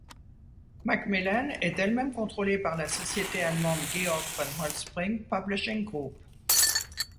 Macmillan est elle-même contrôlée par la société allemande Georg von Holtzbrinck Publishing Group.